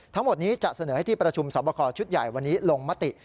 ทั้งหมดนี้จะเสนอให้ที่ประชุมสอบคอชุดใหญ่วันนี้ลงมติ